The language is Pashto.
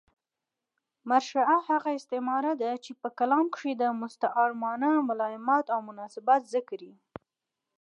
مرشحه هغه استعاره ده، چي په کلام کښي د مستعارمنه ملایمات اومناسبات ذکر يي.